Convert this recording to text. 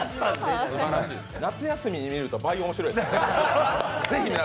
夏休みに見ると倍面白いですからね。